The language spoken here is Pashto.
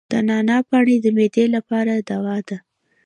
د نعناع پاڼې د معدې لپاره دوا ده.